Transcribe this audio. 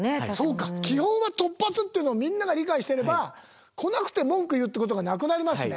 そうか基本は突発っていうのをみんなが理解してれば来なくて文句言うっていうことがなくなりますね。